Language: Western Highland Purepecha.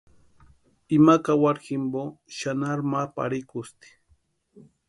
Ima kawaru jimpo xanharu ma parhikusti.